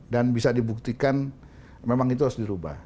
dan bisa dibuktikan memang itu harus dirubah